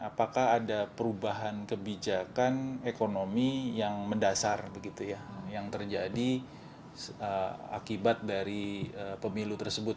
apakah ada perubahan kebijakan ekonomi yang mendasar yang terjadi akibat dari pemilu tersebut